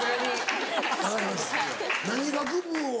何学部を？